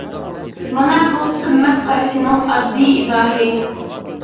مانا بۇ قىممەت قارىشىنىڭ ئاددىي ئىزاھى.